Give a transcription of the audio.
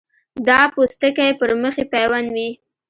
دا پوستکی پر مخ یې پیوند وي.